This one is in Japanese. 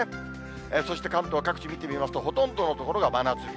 そして関東各地見てみますと、ほとんどの所が真夏日。